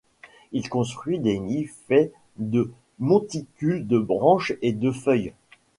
Il construit des nids faits de monticules de branches et de feuilles.